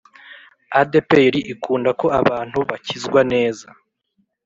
adeperi ikunda ko abantu bakizwa neza